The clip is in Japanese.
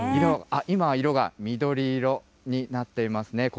今、色が緑色になっていますね。